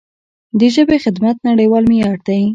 د ژبې خدمت نړیوال معیار دی.